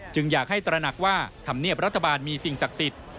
อยากให้ตระหนักว่าธรรมเนียบรัฐบาลมีสิ่งศักดิ์สิทธิ์